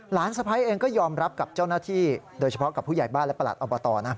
สะพ้ายเองก็ยอมรับกับเจ้าหน้าที่โดยเฉพาะกับผู้ใหญ่บ้านและประหลัดอบตนะ